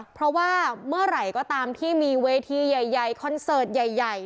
เพราะว่าเมื่อไหร่ก็ตามที่มีเวทีใหญ่คอนเสิร์ตใหญ่